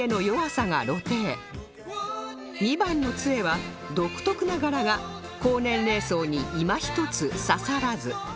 ２番の杖は独特な柄が高年齢層にいま一つ刺さらず